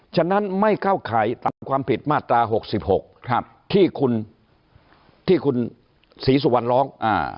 ฉะนั้นไม่เข้าข่ายตามความผิดมาตรา๖๖ที่คุณศรีสุวรรณร้อง